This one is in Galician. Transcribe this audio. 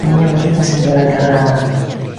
A miña burriña sempre vai cargada!